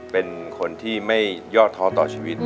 เป็นคนที่ไม่ยอดท้อต่อชีวิต